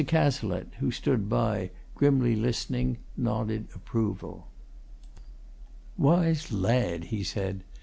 Cazalette, who stood by, grimly listening, nodded approval. "Wise lad!" he said.